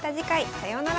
さようなら。